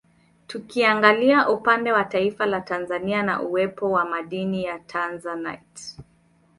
Tukiangalia upande wa taifa la Tanzania na uwepo wa madini ya Tanzanite